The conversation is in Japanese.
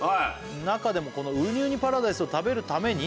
「中でもこのうにうにパラダイスを食べるために」